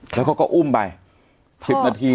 แล้วเขาก็อุ้มไป